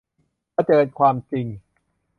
เผชิญความจริง